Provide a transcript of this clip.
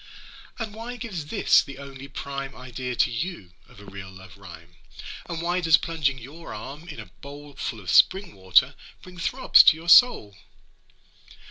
'And why gives this the only prime Idea to you of a real love rhyme? And why does plunging your arm in a bowl Full of spring water, bring throbs to your soul?'